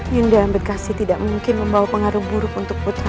yunda ambedkasi tidak mungkin membawa pengaruh buruk untuk putraku